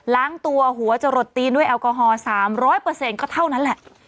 ล้างตัวหัวจะหลดตีนด้วยแอลกอฮอล์๓๐๐ก็เท่านั้นแหละ